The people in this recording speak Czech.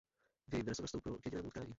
V jejím dresu nenastoupil k jedinému utkání.